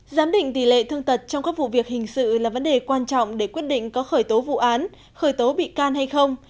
giám định tỷ lệ thương tật trong các vụ việc hình sự là vấn đề quan trọng để quyết định có khởi tố vụ án khởi tố bị can hay không